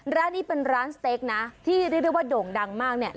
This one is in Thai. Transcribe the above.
ร้านนี้เป็นร้านสเต็กนะที่เรียกได้ว่าโด่งดังมากเนี่ย